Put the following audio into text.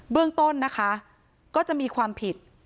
เรื่องต้นนะคะก็จะมีความผิด